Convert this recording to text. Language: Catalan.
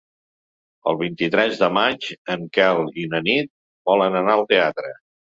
El vint-i-tres de maig en Quel i na Nit volen anar al teatre.